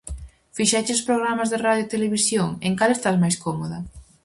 Fixeches programas de radio e televisión, en cal estás máis cómoda?